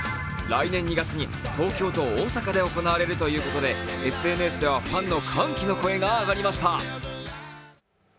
来年２月に東京と大阪で行われるということで、ＳＮＳではファンの歓喜の声が上がりました。